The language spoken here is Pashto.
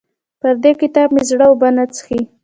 پر دې کتاب مې زړه اوبه نه څښي.